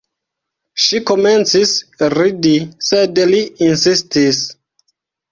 Ŝi komencis ridi, sed li insistis.